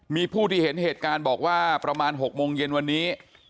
มีผู้ที่เห็นเหตุการณ์บอกว่าประมาณ๖โมงเย็นวันนี้